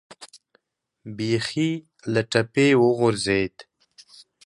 بیخي له ټپې وغورځېد.